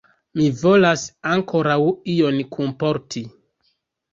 Mi volas ankoraŭ ion kunporti.